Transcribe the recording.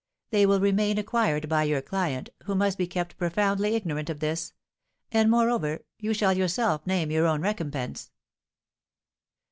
They will remain acquired by your client, who must be kept profoundly ignorant of this; and, moreover, you shall yourself name your own recompense."